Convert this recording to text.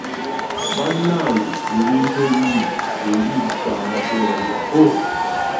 Bannange ebintu ebiri eri bisaana kwerabirako.